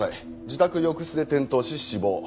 自宅浴室で転倒し死亡。